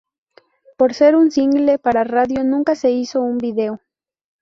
Por ser un single para radio, nunca se hizo un video.